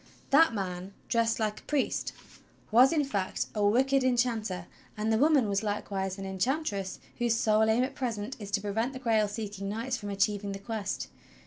That man, dressed like a priest, was in fact a wicked THE QUEST OF THE HOLY GRAIL 127 enchanter, and the woman was likewise an enchantress whose sole aim at present is to prevent the Grail seeking knights from achieving the Quest.